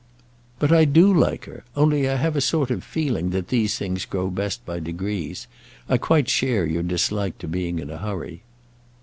"But I do like her; only I have a sort of feeling that these things grow best by degrees. I quite share your dislike to being in a hurry."